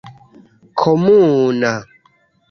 komuna